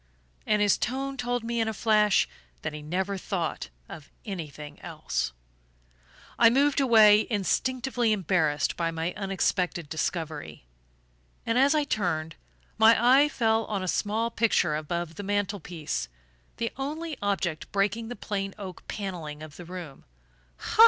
And his tone told me in a flash that he never thought of anything else. I moved away, instinctively embarrassed by my unexpected discovery; and as I turned, my eye fell on a small picture above the mantel piece the only object breaking the plain oak panelling of the room.